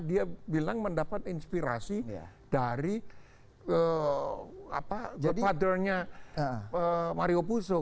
dia bilang mendapat inspirasi dari godfather nya mario puzo